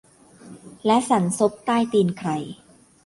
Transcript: และสั่นซบใต้ตีนใคร